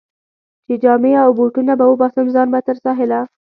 چې جامې او بوټونه به وباسم، ځان به تر ساحله.